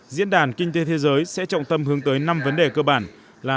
diễn đàn kinh tế thế giới sẽ trọng tâm hướng tới năm vấn đề cơ bản là